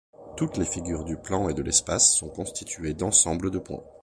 Toutes les figures du plan et de l'espace sont constituées d'ensemble de points.